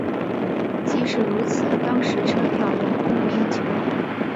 即使如此当时车票仍供不应求。